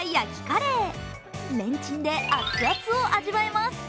レンチンで熱々を味わえます。